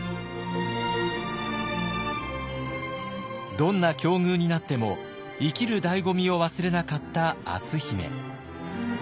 どんな境遇になっても生きるだいご味を忘れなかった篤姫。